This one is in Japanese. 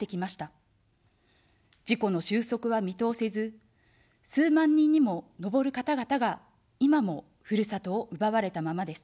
事故の収束は見通せず、数万人にものぼる方々が今もふるさとを奪われたままです。